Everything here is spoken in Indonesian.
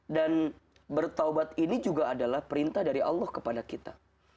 dan bertaubat ini juga adalah perintah dari allah kepada kita